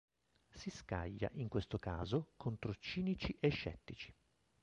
Si scaglia, in questo caso, contro cinici e scettici.